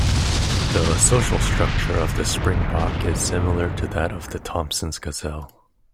The social structure of the springbok is similar to that of the Thomson's gazelle.